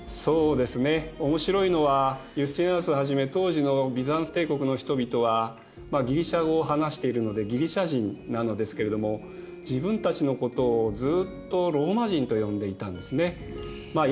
面白いのはユスティニアヌスをはじめ当時のビザンツ帝国の人々はギリシア語を話しているのでギリシア人なのですけれども自分たちのことをずっとローマ人と呼んでいたんですね。